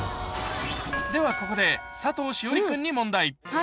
ではここで佐藤栞里君に問題。